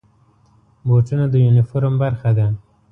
بوټونه د یونیفورم برخه ده.